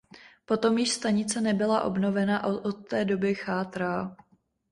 Potom již stanice nebyla obnovena a od té doby chátrá.